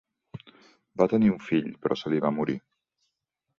Va tenir un fill, però se li va morir.